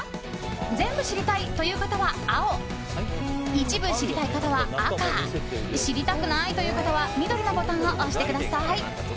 全部知りたいという方は青一部知りたい方は赤知りたくないという方は緑のボタンを押してください。